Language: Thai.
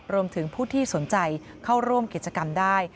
รวมถึงผู้ที่สนใจเข้าร่วมกิจกรรมได้